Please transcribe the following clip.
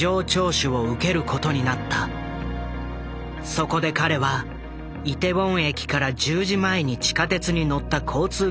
そこで彼はイテウォン駅から１０時前に地下鉄に乗った交通記録を提出。